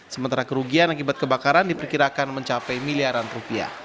sementara kerugian akibat kebakaran diperkirakan mencapai miliaran rupiah